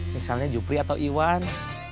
misalnya jupri atau iwan